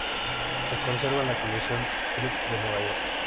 Se conserva en la Colección Frick de Nueva York.